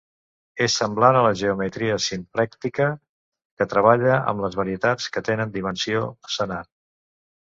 És semblant a la geometria simplèctica que treballa amb les varietats que tenen dimensió senar.